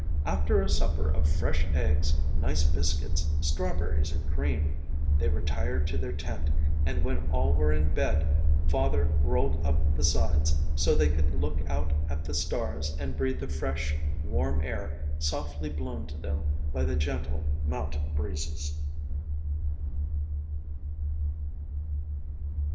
After a supper of fresh eggs, nice biscuits, strawberries and cream, they retired to their tent and when all were in bed Father rolled up the sides so they could look out at the stars and breathe the fresh, warm air softly blown to them by the gentle mountain breezes.